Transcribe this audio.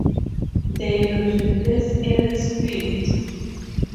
This will replace Ellis Field.